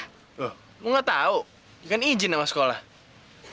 katanya mau nyungguin bapaknya yang di penjara itu